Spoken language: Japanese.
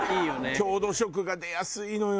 郷土色が出やすいのよ。